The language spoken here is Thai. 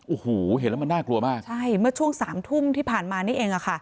โอ้โหเห็นแล้วมันน่ากลัวมากใช่เมื่อช่วงสามทุ่มที่ผ่านมานี่เองอ่ะค่ะ